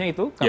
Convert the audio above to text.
yang tadi ya